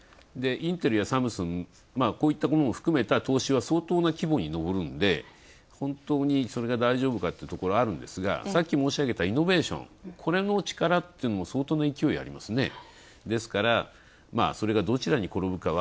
インテルやサムスン、こういったものを含めた投資は相当な規模に上るんで本当にそれが大丈夫かというところがあるんですがさっき申し上げたイノベーション、これの力っていうのも相当な勢いありますね。